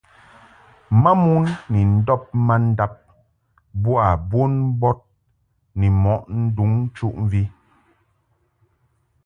Mamon ni ndɔb mandab boa mombɔd ni mɔʼ nduŋ nchuʼmvi.